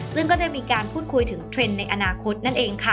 ซึ่งก็ได้มีการพูดคุยถึงเทรนด์ในอนาคตนั่นเองค่ะ